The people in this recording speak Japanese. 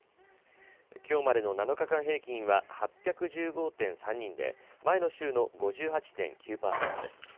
きょうまでの７日間平均は８１５．３人で、前の週の５８．９％です。